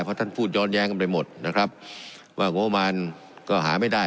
เพราะท่านพูดย้อนแย้งกันไปหมดนะครับว่างบประมาณก็หาไม่ได้